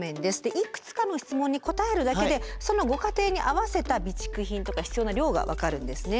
いくつかの質問に答えるだけでそのご家庭に合わせた備蓄品とか必要な量が分かるんですね。